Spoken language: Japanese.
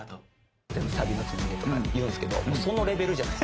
「全部サビのつもりで」とか言うんですけどそのレベルじゃない。